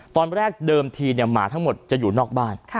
ตอนแรกเดิมทีหมาทั้งหมดจะอยู่นอกบ้าน